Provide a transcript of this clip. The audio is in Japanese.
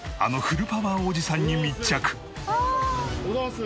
「ああ」おはようございます。